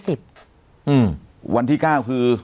อืมวันที่๙คือ